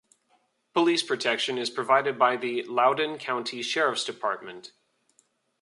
Police protection is provided by the Loudoun County Sheriff's department.